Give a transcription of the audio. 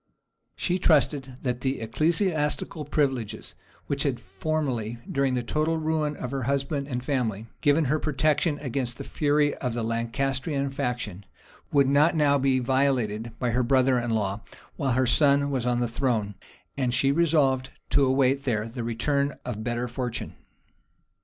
She trusted that the ecclesiastical privileges, which had formerly, during the total ruin of her husband and family, given her protection against the fury of the Lancastrian faction, would not now be violated by her brother in law, while her son was on the throne; and she resolved to await there the return of better fortune.